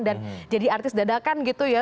dan jadi artis dadakan gitu ya